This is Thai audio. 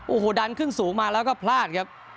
โอ้โหดันขึ้นสูงมาแล้วก็พลาดครับ